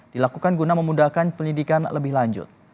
dilakukan guna memudahkan pendidikan lebih lanjut